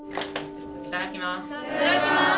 いただきます。